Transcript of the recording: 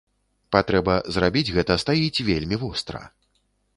Патрэба зрабіць гэта стаіць вельмі востра.